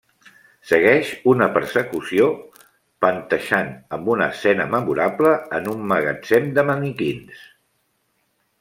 Segueix una persecució panteixant amb una escena memorable en un magatzem de maniquins.